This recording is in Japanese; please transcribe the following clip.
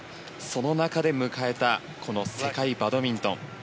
その中で迎えたこの世界バドミントン。